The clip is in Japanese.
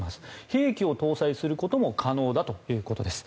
兵器を搭載することも可能だということです。